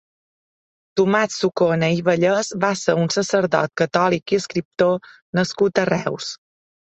Tomàs Sucona i Vallès va ser un sacerdot catòlic i escriptor nascut a Reus.